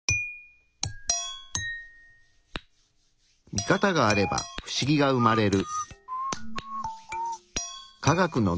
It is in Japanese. ミカタがあればフシギが生まれる。